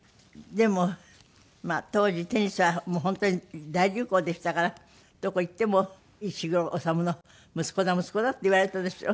でも当時テニスは本当に大流行でしたからどこ行っても「石黒修の息子だ息子だ」って言われたでしょ？